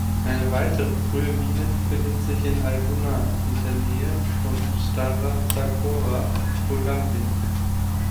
Eine weitere frühe Mine befindet sich in Ai Bunar in der Nähe von Stara Zagora, Bulgarien.